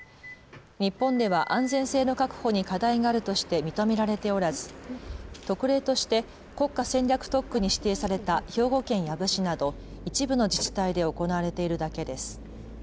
日本では安全性の確保に課題があるとして認められておらず特例として国家戦略特区に指定された兵庫県養父市など一部の自治体で行われているだけです。